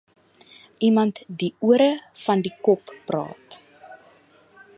Iemand die ore van die kop praat